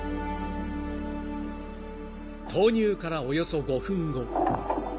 ［投入からおよそ５分後］